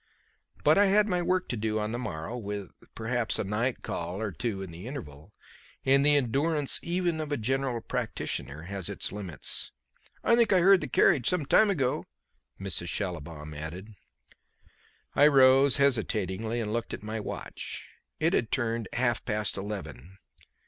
But I had my work to do on the morrow, with, perhaps, a night call or two in the interval, and the endurance even of a general practitioner has its limits. "I think I heard the carriage some time ago," Mrs. Schallibaum added. I rose hesitatingly and looked at my watch. It had turned half past eleven.